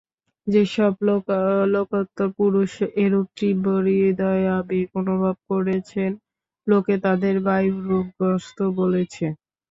যে-সব লোকোত্তর পুরুষ এরূপ তীব্র হৃদয়াবেগ অনুভব করেছেন, লোকে তাঁদের বায়ুরোগগ্রস্ত বলেছে।